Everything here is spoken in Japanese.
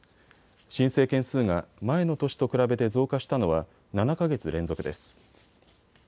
申請件数が前の年と比べて増加したのは７か月連続です。